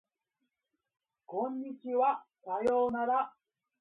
こんにちはさようなら